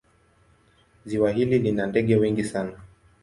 Ziwa hili lina ndege wengi sana.